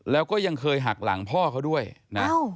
แล้วก็ยังเคยหักหลังพ่อเขาด้วยนะ